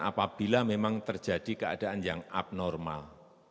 apabila memang terjadi keadaan yang abnormal